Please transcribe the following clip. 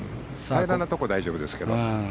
平らなところは大丈夫ですけど。